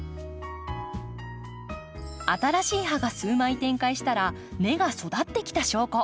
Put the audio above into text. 新しい葉が数枚展開したら根が育ってきた証拠。